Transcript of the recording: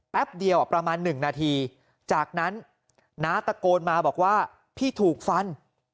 เดียวประมาณ๑นาทีจากนั้นน้าตะโกนมาบอกว่าพี่ถูกฟัน